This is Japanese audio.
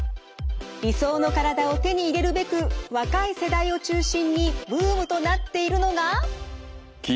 理想の体を手に入れるべく若い世代を中心にブームとなっているのが。